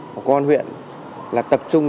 của công an huyện là tập trung